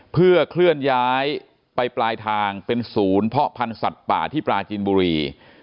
เพื่อเคลื่อนย้ายไปปลายทางเป็นศูนย์เพาะพันธุ์สัตว์ป่าที่ปลาจีนบุรี